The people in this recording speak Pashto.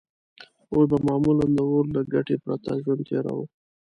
هغوی به معمولاً د اور له ګټې پرته ژوند تېراوه.